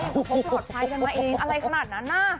อย่างพวกพลอดภัยกันมาเองอะไรขนาดนั้นน่ะ